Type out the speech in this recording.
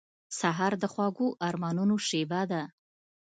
سهار د خوږو ارمانونو شېبه ده.